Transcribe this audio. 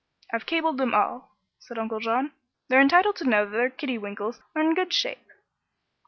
"I've cabled them all," said Uncle John. "They're entitled to know that their kidiwinkles are in good shape."